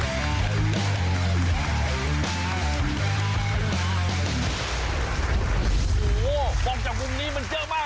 โหฟังจากกรุงนี้มันเยอะมากนะ